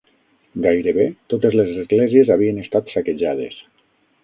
Gairebé totes les esglésies havien estat saquejades